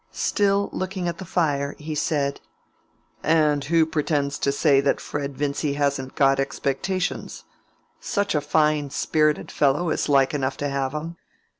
Still looking at the fire, he said— "And who pretends to say Fred Vincy hasn't got expectations? Such a fine, spirited fellow is like enough to have 'em."